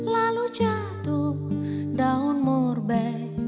lalu jatuh daun murbe